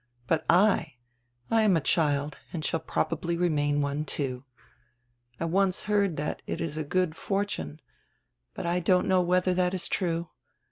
But I — I am a child and shall probably remain one, too. I once heard diat it is a good fortune. But I don't know whether that is true.